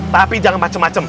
tapi jangan macem macem